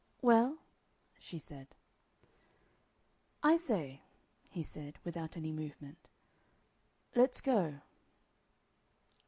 "Well?" she said. "I say!" he said, without any movement. "Let's go."